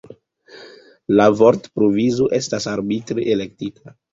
La vortprovizo estas arbitre elektita.